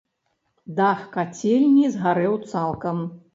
Дах кацельні згарэў цалкам.